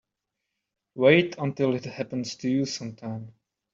Wait until it happens to you sometime.